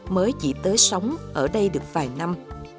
mới chỉ tới sống ở đây được vài năm